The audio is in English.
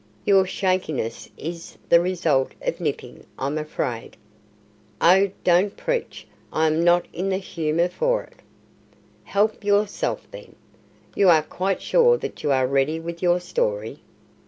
"Your 'shakiness' is the result of 'nipping', I'm afraid." "Oh, don't preach; I am not in the humour for it." "Help yourself, then. You are quite sure that you are ready with your story?"